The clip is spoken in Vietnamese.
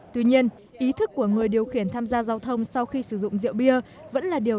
tuy nhiên ý thức của người điều khiển tham gia giao thông sau khi sử dụng rượu bia vẫn là điều